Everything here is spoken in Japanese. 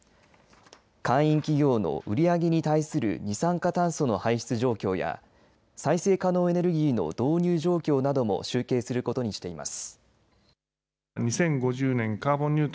会員企業の売り上げに対する二酸化炭素の排出状況や再生可能エネルギーの導入状況なども集計することにしています。